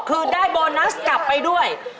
คือได้โบนัสกลับไปด้วย